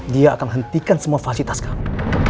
dia akan hentikan semua falsitas kamu